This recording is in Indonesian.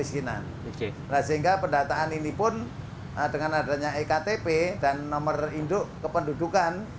sehingga kalau kesehatan dan pendidikan ini bagi warga masyarakat yang betul betul membutuhkan kesehatan